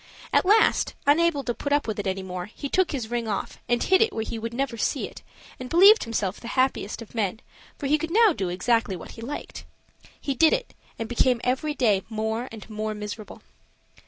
At last, unable to put up with it any more, he took his ring off and hid it where he would never see it; and believed himself the happiest of men, for he could now do exactly what he liked. He did it, and became every day more and more miserable.